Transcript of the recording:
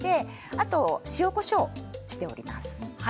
あと、塩、こしょうをしています。